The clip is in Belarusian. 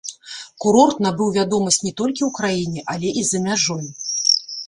Курорт набыў вядомасць не толькі ў краіне, але і за мяжой.